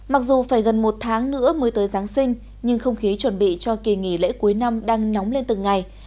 mặc dù phải gần một tháng nữa mới tới giáng sinh nhưng không khí chuẩn bị cho kỳ nghỉ lễ cuối năm đang nóng lên từng ngày